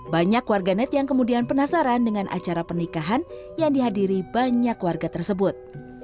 banyak warganet yang kemudian penasaran dengan acara pernikahan yang dihadiri banyak warga tersebut